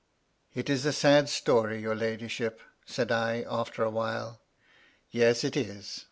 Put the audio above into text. " It is a sad story, your ladyship," said I, after a while. " Yes it is.